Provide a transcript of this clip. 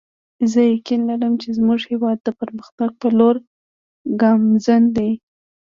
زه یقین لرم چې زموږ هیواد د پرمختګ په لور ګامزن دی